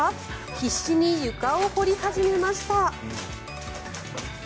必死に床を掘り始めました。